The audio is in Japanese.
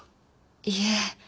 いえ。